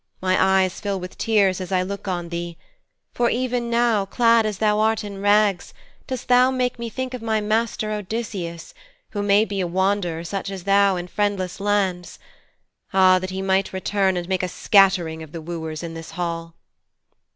My eyes fill with tears as I look on thee. For even now, clad as thou art in rags, thou dost make me think of my master Odysseus, who may be a wanderer such as thou in friendless lands. Ah, that he might return and make a scattering of the wooers in his hall.'